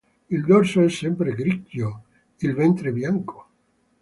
Il dorso è sempre grigio, il ventre bianco.